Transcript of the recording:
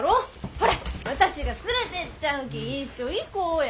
ほら私が連れてっちゃるき一緒行こうや。